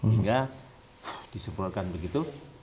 hingga disemprotkan begitu